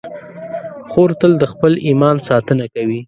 خور تل د خپل ایمان ساتنه کوي.